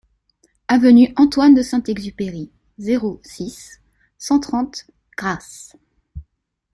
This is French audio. Avenue Antoine de Saint-Exupéry, zéro six, cent trente Grasse